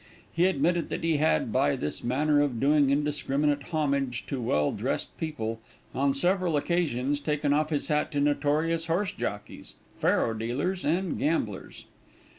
He admitted that he had, by this manner of doing indiscriminate homage to well dressed people, on several occasions taken off his hat to notorious horse jockeys, faro dealers, and gamblers.